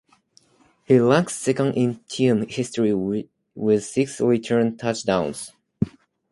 He ranks second in team history with six return touchdowns.